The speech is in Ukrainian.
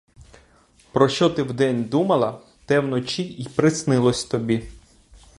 Про що ти вдень думала, те вночі й приснилось тобі!